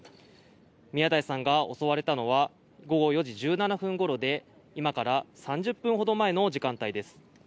宮台さんが襲われたのは午後４時１７分ごろで今から３０分ほど前の時間帯です。